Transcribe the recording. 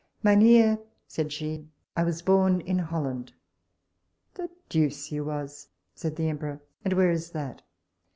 Mynheer, said she, I was born in Holland The deuce you was, said the emperor, and where is that?